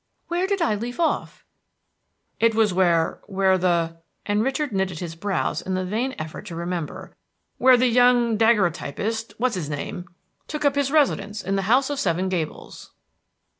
"Where did I leave off?" "It was where where the" and Richard knitted his brows in the vain effort to remember "where the young daguerreotypist, what's his name, took up his residence in the House of the Seven Gables."